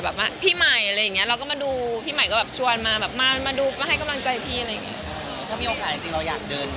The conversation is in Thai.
แบบพี่ใหม่อะไรอย่างเงี้ยเราก็มาดูพี่ใหม่ก็แบบชวนมามาดูมาให้กำลังใจพี่อะไรอย่างเงี้ย